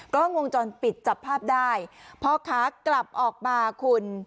กล้องวงจรปิดจับภาพได้พอขากลับออกมาคุณ